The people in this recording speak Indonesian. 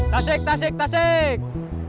tasik tasik tasik